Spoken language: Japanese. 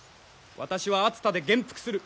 私は熱田で元服する。